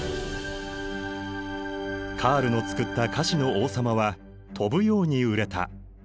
カールの作った菓子の王様は飛ぶように売れた。